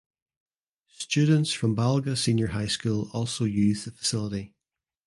Students from Balga Senior High School also use the facility.